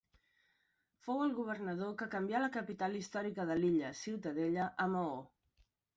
Fou el governador que canvià la capital històrica de l'illa, Ciutadella, a Maó.